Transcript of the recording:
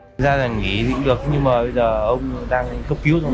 thật ra là nghĩ cũng được nhưng mà bây giờ ông đang cấp cứu rồi